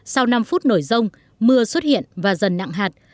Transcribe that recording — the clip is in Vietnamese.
sau năm phút nổi rông mưa xuất hiện và dần nặng hạt